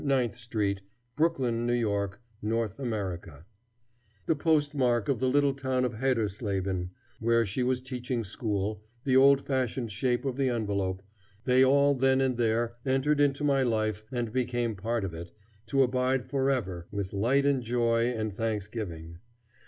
Ninth Street, Brooklyn, N. Y, North America, the postmark of the little town of Hadersleben, where she was teaching school, the old fashioned shape of the envelope they all then and there entered into my life and became part of it, to abide forever with light and joy and thanksgiving.